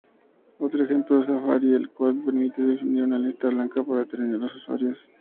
Otro ejemplo es Safari, el cual permite definir una lista blanca para determinados usuarios.